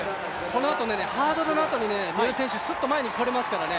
このあとハードルの後に三浦選手、すぐ前にこれますから。